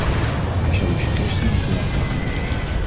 Ik zal uw suggestie in gedachten houden.